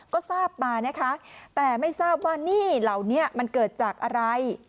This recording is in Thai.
ก็ทราบมานะคะแต่ไม่ทราบว่าหนี้เหล่านี้มันเกิดจากอะไร